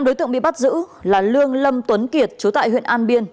năm đối tượng bị bắt giữ là lương lâm tuấn kiệt chú tại huyện an biên